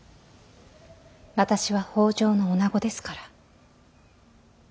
私は北条の女子ですから。